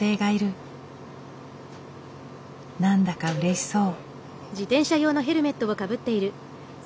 何だかうれしそう。